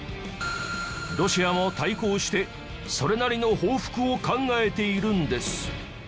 ロシアも対抗してそれなりの報復を考えているんです。